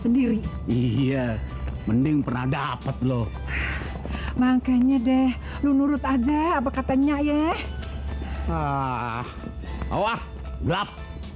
sendiri iya mending pernah dapet loh makanya deh lu nurut aja apa katanya ya ah awah gelap